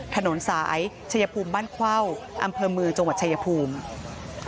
ถนนสายชายภูมิบ้านเข้าอำเภอเมืองจังหวัดชายภูมิ